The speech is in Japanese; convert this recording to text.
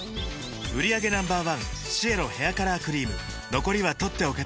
売上№１シエロヘアカラークリーム残りは取っておけて